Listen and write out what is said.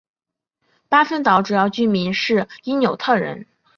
巴芬岛主要居民是因纽特人。